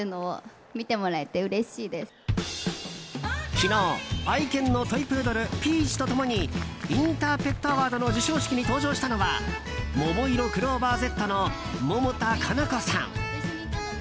昨日、愛犬のトイプードルピーチと共にインターペットアワードの授賞式に登場したのはももいろクローバーＺの百田夏菜子さん。